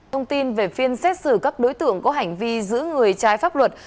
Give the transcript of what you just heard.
thông tin về phiên xét xử các đối tượng có hành vi giữ người trái pháp luật